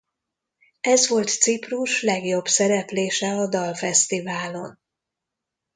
Ez volt Ciprus legjobb szereplése a dalfesztiválon.